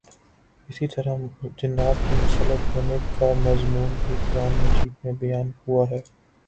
اسی طرح جنات کے مسلط ہونے کا مضمون بھی قرآنِ مجید میں بیان ہوا ہے